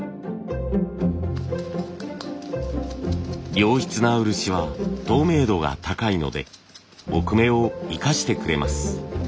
良質な漆は透明度が高いので木目を生かしてくれます。